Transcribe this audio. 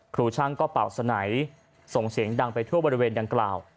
ครูช่างก็เป่าสนัยส่งเสียงดังไปทั่วบริเวณดังกล่าว